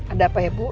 ada apa ya bu